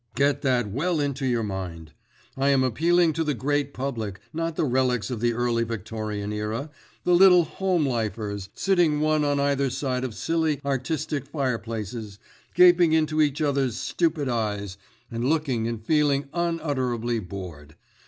Get that well into your mind. I am appealing to the great public, not the relics of the early Victorian Era, the Little Home Lifers, sitting one on either side of silly artistic fireplaces, gaping into each other's stupid eyes, and looking and feeling unutterably bored.